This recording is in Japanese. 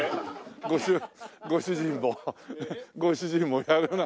ご主人もご主人もやるな。